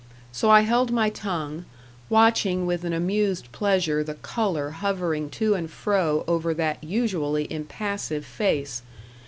So I held my tongue, watching with an amused pleasure the colour hovering to and fro over that usually impassive face.